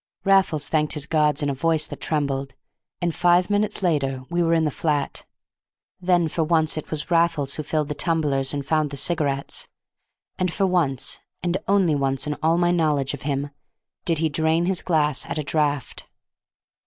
Raffles thanked his gods in a voice that trembled, and five minutes later we were in the flat. Then for once it was Raffles who filled the tumblers and found the cigarettes, and for once (and once only in all my knowledge of him) did he drain his glass at a draught.